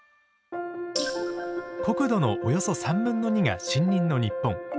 国土のおよそ３分の２が森林の日本。